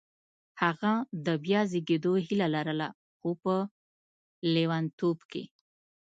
هغه د بیا زېږېدو هیله لرله خو په لېونتوب کې